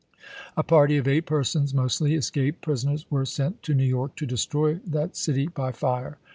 A party of eight persons, mostly escaped prison ers, were sent to New York to destroy that city by fire.